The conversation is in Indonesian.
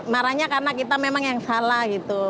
marahnya karena kita memang yang salah gitu